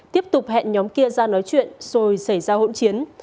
tiếp tục hẹn nhóm kia ra nói chuyện rồi xảy ra hỗn chiến